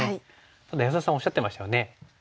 ただ安田さんおっしゃってましたよね。